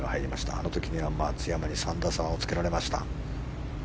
あの時には松山に３打差をつけられました。